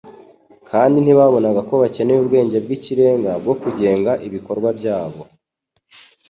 kandi ntibabonaga ko bakeneye ubwenge bw’ikirenga bwo kugenga ibikorwa byabo